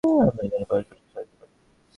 আমরা যেন পরস্পরকে সাহায্য করি।